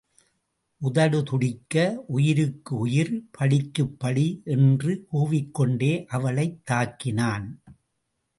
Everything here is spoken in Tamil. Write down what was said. உதடு துடிக்க, உயிருக்கு உயிர், பழிக்குப் பழி என்று கூவிக்கொண்டே அவளைத் தாக்கினான்.